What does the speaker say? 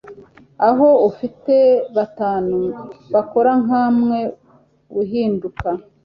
aho ufite batanu bakora nka umwe. Uhinduka. ”